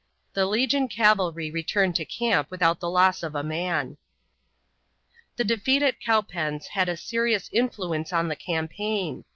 The legion cavalry returned to camp without the loss of a man. The defeat at Cowpens had a serious influence on the campaign.